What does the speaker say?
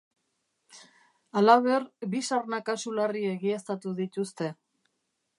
Halaber, bi sarna kasu larri egiaztatu dituzte.